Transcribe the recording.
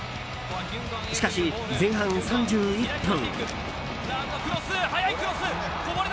しかし、前半３１分。